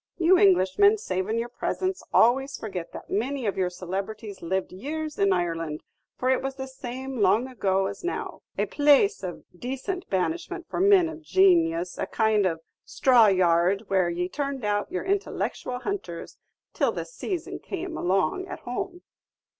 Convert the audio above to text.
You Englishmen, savin' your presence, always forget that many of your celebrities lived years in Ireland; for it was the same long ago as now, a place of decent banishment for men of janius, a kind of straw yard where ye turned out your intellectual hunters till the sayson came on at home."